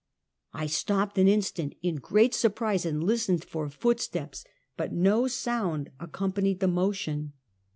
I stopped an instant, in great surprise, and listened for footsteps, but no sound accompanied the motion.